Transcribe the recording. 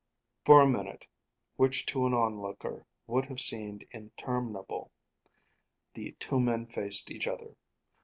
For a minute, which to an onlooker would have seemed interminable, the two men faced each other.